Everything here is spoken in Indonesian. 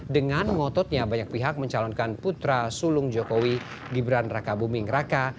dengan ngototnya banyak pihak mencalonkan putra sulung jokowi gibran raka buming raka